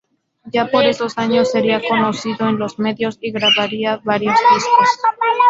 Ya por esos años sería conocido en los medios, y grabaría varios discos.